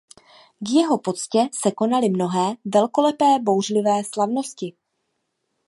K jeho poctě se konaly mnohé velkolepé bouřlivé slavnosti.